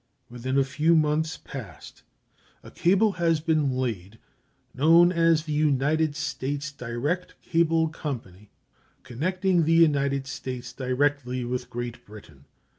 Within a few months past a cable has been laid, known as the United States Direct Cable Company, connecting the United States directly with Great Britain.